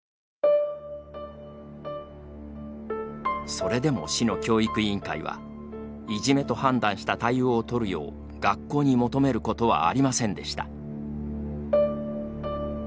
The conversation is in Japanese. それでも市の教育委員会はいじめと判断した対応を取るよう学校に求めることはありませんでした。